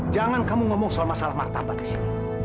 jangan kamu ngomong soal masalah martabat di sini